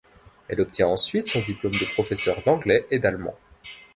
Elle obtient ensuite son diplôme de professeur d'anglais et d'allemand.